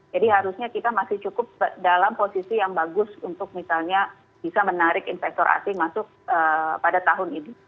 jadi harusnya kita masih cukup dalam posisi yang bagus untuk misalnya bisa menarik insitor asing masuk pada tahun ini